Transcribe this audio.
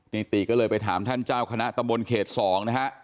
ติก็เลยไปถามท่านเจ้าคณะตำบลเขต๒นะฮะ